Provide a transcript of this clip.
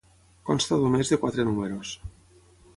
Consta només de quatre números.